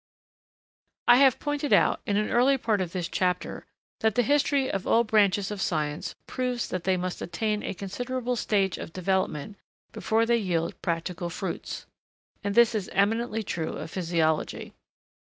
] I have pointed out, in an earlier part of this chapter, that the history of all branches of science proves that they must attain a considerable stage of development before they yield practical 'fruits;' and this is eminently true of physiology.